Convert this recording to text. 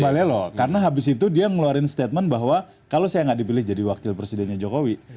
balelo karena habis itu dia ngeluarin statement bahwa kalau saya nggak dipilih jadi wakil presidennya jokowi